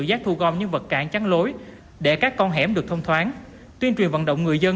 giác thu gom những vật cản trắng lối để các con hẻm được thông thoáng tuyên truyền vận động người dân